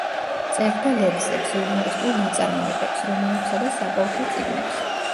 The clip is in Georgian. წერდა ლექსებს, იუმორისტულ ნაწარმოებებს, რომანებსა და საბავშვო წიგნებს.